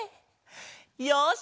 よし！